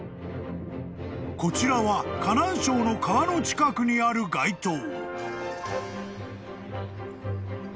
［こちらは河南省の川の近くにある街灯］